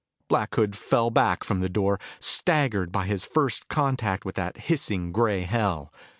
Black Hood fell back from the door, staggered by his first contact with that hissing gray hell.